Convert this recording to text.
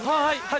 はい！